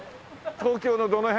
東京のどの辺？